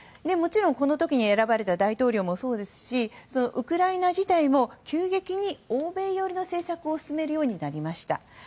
もちろんこの時に選ばれた大統領もそうですしウクライナ自体も急激に欧米寄りの政策を進めるようになりました。